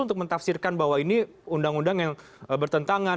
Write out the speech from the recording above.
untuk mentafsirkan bahwa ini undang undang yang bertentangan